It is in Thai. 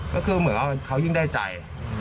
ก็คือเหมือนว่าเขายิ่งได้ใจ